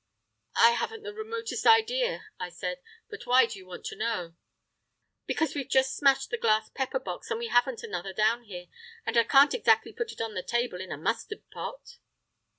"I haven't the remotest idea," I said; "but why do you want to know?" "Because we've just smashed the glass pepper box, and we haven't another down here. And I can't exactly put it on the table in a mustard pot!"